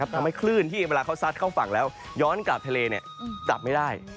ทำให้คลื่นที่เวลาเขาซัดเข้าฝั่งแล้วย้อนกลับทะเลจับไม่ได้